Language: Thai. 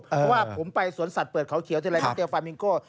เพราะว่าผมไปสวนสัตว์เปิดเขาเขียวทีไรต้องเจอฟาร์มิงโก้